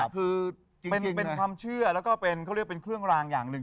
คือเป็นความเชื่อแล้วก็เป็นเครื่องรางอย่างหนึ่ง